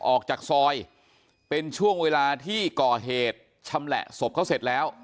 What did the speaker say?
ออกจากซอยเป็นช่วงเวลาที่ก่อเหตุชำแหละศพเขาเสร็จแล้ว